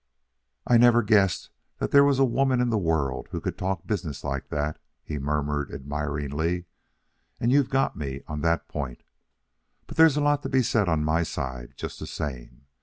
"I never guessed there was a woman in the world who could talk business like that," he murmured admiringly. "And you've got me on that point. But there's a lot to be said on my side just the same.